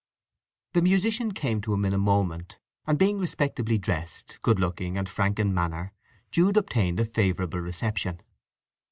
The musician came to him in a moment, and being respectably dressed, good looking, and frank in manner, Jude obtained a favourable reception.